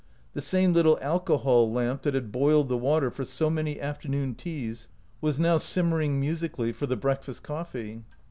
The same little alcohol lamp that had boiled the water for so many afternoon teas was now simmer ing musically for the breakfast coffee.